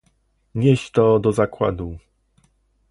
"Nieś to do zakładu."